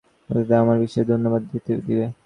প্রণেতাকে আমার বিশেষ ধন্যবাদ দিবে।